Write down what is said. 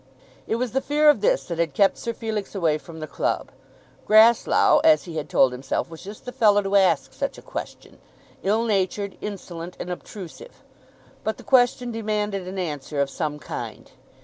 It was the fear of this that had kept Sir Felix away from the club. Grasslough, as he had told himself, was just the fellow to ask such a question, ill natured, insolent, and obtrusive. But the question demanded an answer of some kind.